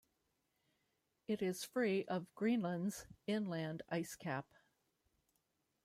It is free of Greenland's inland ice cap.